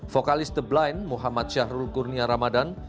vokalis the blind muhammad syahrul kurnia ramadan